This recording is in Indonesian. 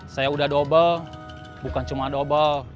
saya udah double bukan cuma dobel